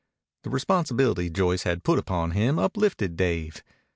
The responsibility Joyce had put upon him uplifted Dave.